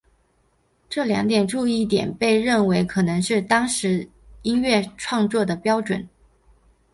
这两个注意点被认为可能是当时音乐创作的准则。